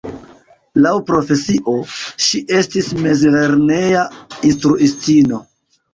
Laŭ profesio, ŝi estis mezlerneja instruistino.